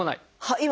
はい。